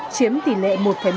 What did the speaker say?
chiếm tỷ lệ một một mươi bốn